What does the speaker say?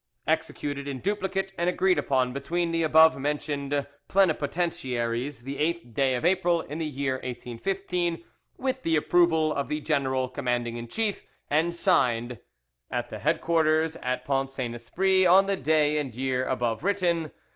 "Executed in duplicate and agreed upon between the above mentioned plenipotentiaries the 8th day of April in the year 1815, with the approval of the general commanding in chief, and signed, "At the headquarters at Pont Saint Esprit on the day and year above written.